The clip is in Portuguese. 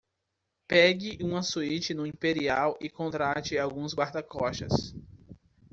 Pegue uma suíte no Imperial e contrate alguns guarda-costas.